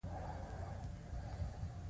عاجزي صرف يوه تګلاره ده.